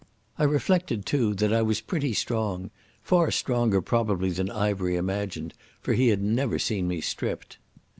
I reflected, too, that I was pretty strong, far stronger probably than Ivery imagined, for he had never seen me stripped.